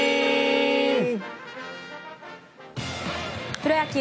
プロ野球